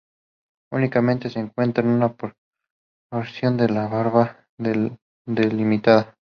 Únicamente se encuentra una porción de la barda que la delimitaba.